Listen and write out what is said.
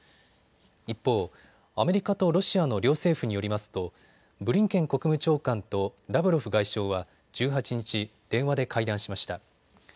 一方、アメリカとロシアの両政府によりますとブリンケン国務長官とラブロフ外相は１８日、電話で会談しました。